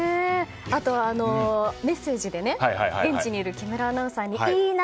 あとは、メッセージで現地にいる木村アナウンサーにいいな！